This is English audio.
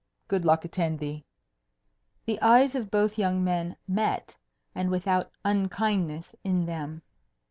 Good luck attend thee." The eyes of both young men met, and without unkindness in them.